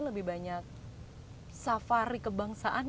lebih banyak safari kebangsaan